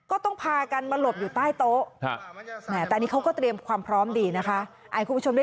โอเคค่ะคนโอเคไหมครับโอเค